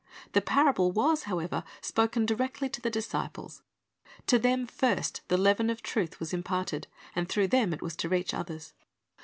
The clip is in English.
The parable was, however, spoken directly to the disciples. To them first the leaven of truth was imparted, and through them it was to reach others.